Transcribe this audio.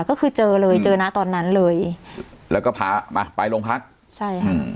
ก็คือเจอเลยเจอนะตอนนั้นเลยแล้วก็พามาไปโรงพักใช่ค่ะ